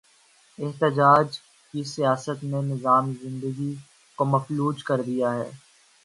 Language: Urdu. احتجاج کی سیاست نے نظام زندگی کو مفلوج کر دیا ہے۔